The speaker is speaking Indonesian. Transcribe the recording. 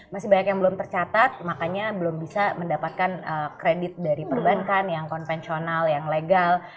masih banyak yang belum tercatat makanya belum bisa mendapatkan kredit dari perbankan yang konvensional yang legal